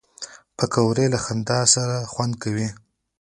پکورې له خندا سره خوند کوي